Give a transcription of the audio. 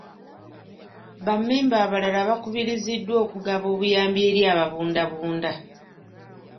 Ba memba abalala bakubiriziddwa okugaba obuyambi eri ababundabunda.